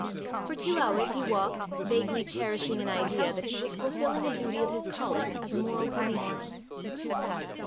For two hours he walked, vaguely cherishing an idea that he was fulfilling a duty of his calling, as a moral policeman.